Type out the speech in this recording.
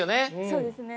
そうですね。